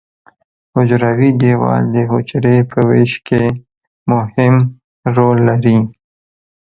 حجروي دیوال د حجرې په ویش کې مهم رول لري.